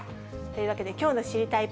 というわけで、きょうの知りたいッ！